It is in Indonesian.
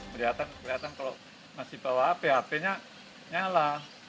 kelihatan kalau masih bawa hp hp nya nyala